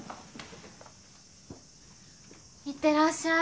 行ってらっしゃい。